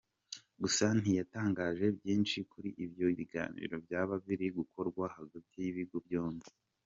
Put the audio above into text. Gusa ntiyatangaje byinshi kuri ibyo biganiro byaba biri gukorwa hagati y’ibigo byombi.